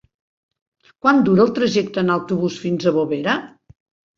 Quant dura el trajecte en autobús fins a Bovera?